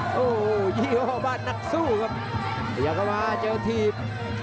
โอ้โหฮิโฮบ้านหนักสู้ครับ